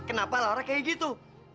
kenapa laura kayak gitu